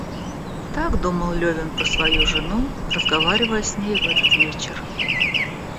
Так думал Левин про свою жену, разговаривая с ней в этот вечер.